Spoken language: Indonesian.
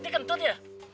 ini kentut ya